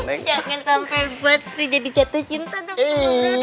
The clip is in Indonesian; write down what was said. jangan sampai buat rida dicatuh cinta dong